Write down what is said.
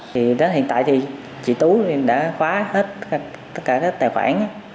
thì đến hiện tại thì chị tú đã khóa hết tất cả các tài khoản